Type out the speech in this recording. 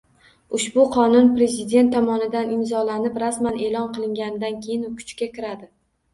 Ushbu qonun Prezident tomonidan imzolanib, rasman eʼlon qilingandan keyin kuchga kiradi.